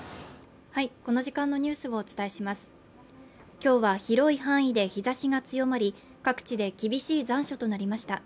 今日は広い範囲で日ざしが強まり、各地で厳しい残暑となりました。